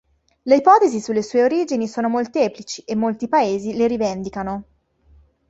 Le ipotesi sulle sue origini sono molteplici e molti paesi le rivendicano.